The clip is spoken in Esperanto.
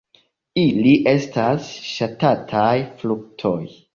Ili estas ŝatataj fruktoj.